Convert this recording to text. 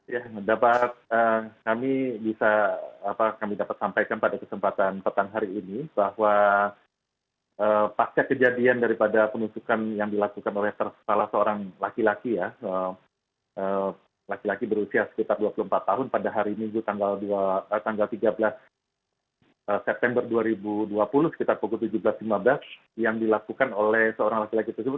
ya dapat kami bisa kami dapat sampaikan pada kesempatan petang hari ini bahwa paket kejadian daripada penusukan yang dilakukan oleh salah seorang laki laki ya laki laki berusia sekitar dua puluh empat tahun pada hari minggu tanggal tiga belas september dua ribu dua puluh sekitar pukul tujuh belas lima belas yang dilakukan oleh seorang laki laki tersebut